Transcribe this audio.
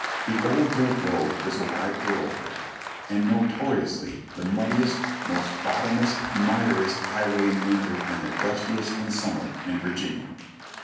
The old dirt road was a wide thoroughfare, and notoriously the muddiest, most bottom less, miriest highway in winter, and the dustiest in summer, in Virginia.